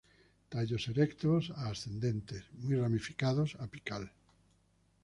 Tallos erectos a ascendentes, muy ramificados apical.